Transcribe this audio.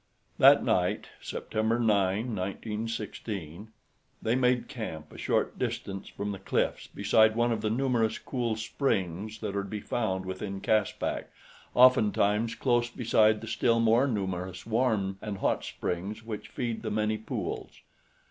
That night (September 9, 1916), they made camp a short distance from the cliffs beside one of the numerous cool springs that are to be found within Caspak, oftentimes close beside the still more numerous warm and hot springs which feed the many pools.